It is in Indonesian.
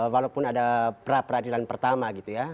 walaupun ada pra peradilan pertama gitu ya